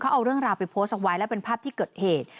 เอาเรื่องราวไปโพสต์เอาไว้และเป็นภาพที่เกิดเหตุ